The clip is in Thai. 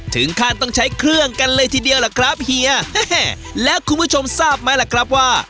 ถึงขั้นต้องใช้เครื่องกันเลยทีเดียวล่ะครับเฮียแล้วคุณผู้ชมทราบไหมล่ะครับว่า